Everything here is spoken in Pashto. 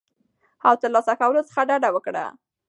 او ترلاسه کولو څخه ډډه وکړه